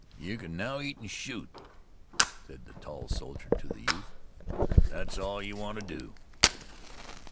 "You can now eat and shoot," said the tall soldier to the youth. "That's all you want to do."